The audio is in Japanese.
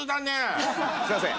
すいません。